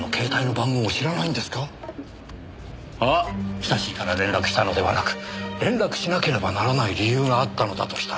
親しいから連絡したのではなく連絡しなければならない理由があったのだとしたら。